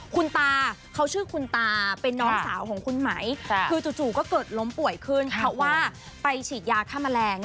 คุณตาเขาชื่อคุณตาเป็นน้องสาวของคุณไหมคือจู่ก็เกิดล้มป่วยขึ้นเพราะว่าไปฉีดยาฆ่าแมลง